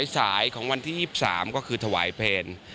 สายของวันที่๒๓ก็คือถวายเพลง